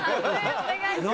判定お願いします。